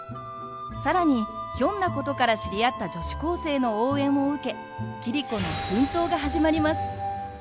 更にひょんなことから知り合った女子高生の応援を受け桐子の奮闘が始まります。